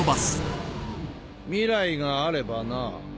未来があればな。